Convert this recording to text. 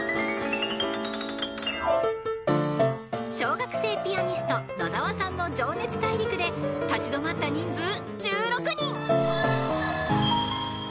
［小学生ピアニスト野澤さんの『情熱大陸』で立ち止まった人数１６人］